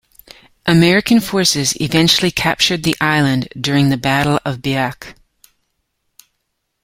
American forces eventually captured the island during the Battle of Biak.